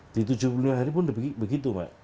di tujuh puluh lima hari pun begitu pak